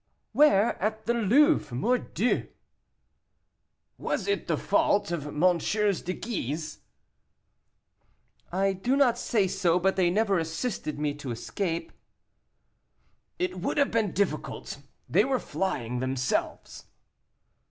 "Where? at the Louvre, mordieu." "Was it the fault of MM. de Guise?" "I do not say so, but they never assisted me to escape." "It would have been difficult; they were flying themselves."